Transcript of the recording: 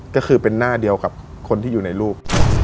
ก็คือเป็นหน้าเดียวกับคนที่อยู่ในรูป